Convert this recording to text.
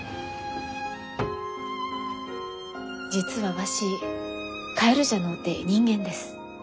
「実はわしカエルじゃのうて人間です」。